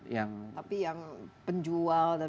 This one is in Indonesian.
tapi yang penjual dan